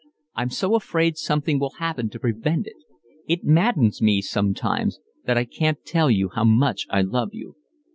I'm so afraid something will happen to prevent it. It maddens me sometimes that I can't tell you how much I love you.